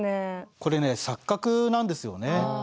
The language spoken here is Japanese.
これね錯覚なんですよね。